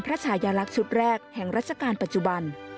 ฉายาลักษณ์ชุดแรกแห่งราชการปัจจุบัน